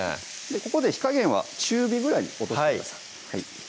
ここで火加減は中火ぐらいに落としてください